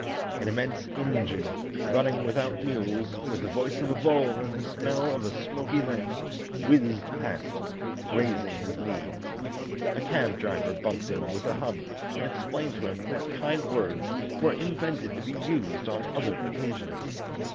An immense engine, running without mules, with the voice of a bull and the smell of a smoky lamp, whizzed past, grazing his knee. A cab driver bumped him with a hub and explained to him that kind words were invented to be used on other occasions.